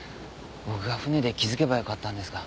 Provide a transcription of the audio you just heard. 僕が船で気づけばよかったんですが。